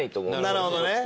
なるほどね。